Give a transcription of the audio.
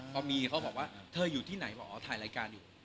พอมีเขาบอกว่าเธออยู่ที่ไหนบอกอ๋อถ่ายรายการอยู่